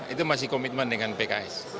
itu masih komitmen dengan pks